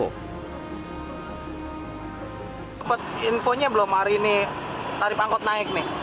kepat infonya belum hari ini